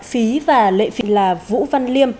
phí và lệ phí là vũ văn liêm